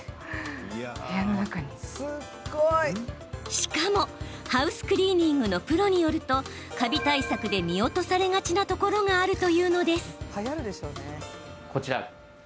しかも、ハウスクリーニングのプロによるとカビ対策で見落とされがちなところがあるというのです。